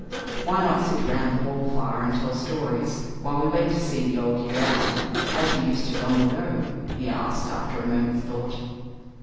"Why not sit round the hall fire and tell stories, while we wait to see the old year out, as we used to do long ago?" he asked, after a moment's thought.